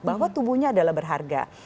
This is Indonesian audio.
bahwa tubuhnya adalah berharga